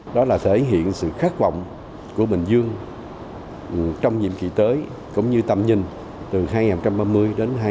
đó là thể hiện sự khát vọng của bình dương trong nhiệm kỳ tới cũng như tầm nhìn từ hai nghìn ba mươi đến hai nghìn năm mươi